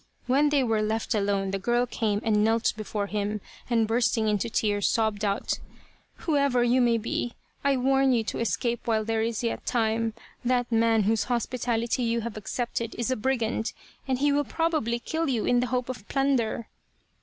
When they were left alone the girl came and knelt before him, and bursting into tears sobbed out " Whoever you may be I warn you to escape while there is yet time. That man whose hospitality you have accepted is a brigand and he will probably kill you in the hope of plunder."